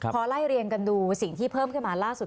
พอไล่เรียงกันดูสิ่งที่เพิ่มขึ้นมาล่าสุด